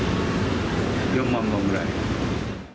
４万本ぐらい。